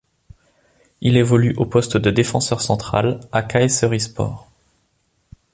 Il évolue au poste de défenseur central à Kayserispor.